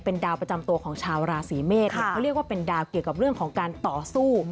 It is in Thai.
ดาวประจำตัวของชาวราศีเมษเขาเรียกว่าเป็นดาวเกี่ยวกับเรื่องของการต่อสู้